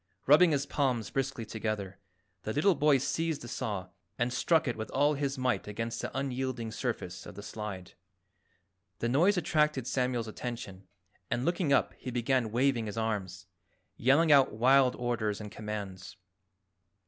Rubbing his palms briskly together, the little boy seized the saw and struck it with all his might against the unyielding surface of the slide. The noise attracted Samuel's attention, and looking up he began waving his arms, yelling out wild orders and commands.